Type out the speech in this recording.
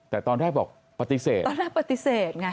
แต่ตอนแรกบอกปฏิเสธตอนแรกปฏิเสธไง